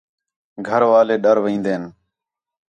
گھر والے ݙر وین٘دے ہین